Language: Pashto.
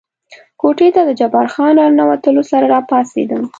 کوټې ته د جبار خان له را ننوتلو سره را پاڅېدم.